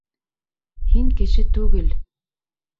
Һин кеше түгел!